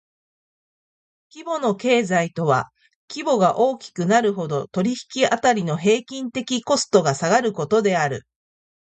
規模の経済とは規模が大きくなるほど、取引辺りの平均的コストが下がることである。